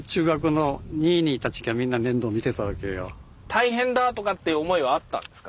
大変だとかって思いはあったんですか？